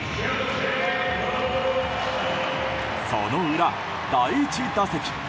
その裏、第１打席。